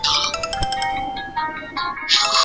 纹绡蝶属是蛱蝶科斑蝶亚科绡蝶族中的一个属。